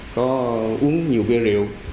có uống nhiều bia rượu